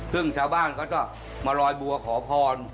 ซึ่งชาวบ้านเขาจะมาลอยบัวขอพร